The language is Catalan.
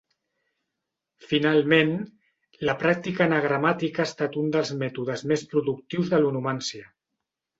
Finalment, la pràctica anagramàtica ha estat un dels mètodes més productius de l'onomància.